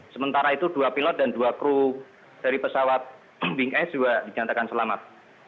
sementara itu dua pilot dan dua kru dari pesawat bing s juga dinyatakan selamat